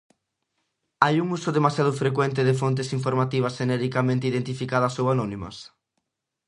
Hai un uso demasiado frecuente de fontes informativas xenericamente identificadas ou anónimas?